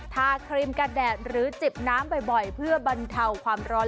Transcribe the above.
ครีมกระแดดหรือจิบน้ำบ่อยเพื่อบรรเทาความร้อน